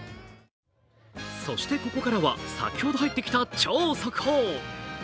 そしてここからは先ほど入ってきた超速報。